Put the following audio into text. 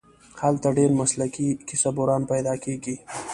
هلته ډېر مسلکي کیسه بُران پیدا کېږي.